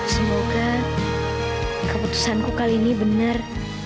semoga keputusanku kali ini benar